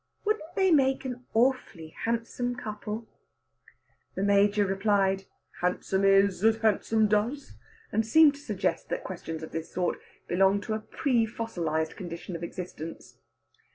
"Wouldn't they make an awfully handsome couple?" The Major replied, "Handsome is as handsome does," and seemed to suggest that questions of this sort belonged to a pre fossilised condition of existence.